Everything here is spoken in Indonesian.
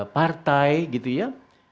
partai gitu ya